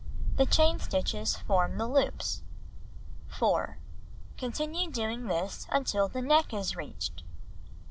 The chain stitches form the loops. 4. Continue doing this until the neck is reached.